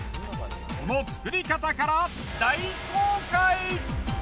その作り方から大公開。